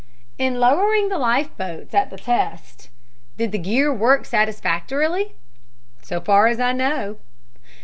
"In lowering the life boats at the test, did the gear work satisfactorily?" "So far as I know."